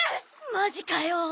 マジかよ。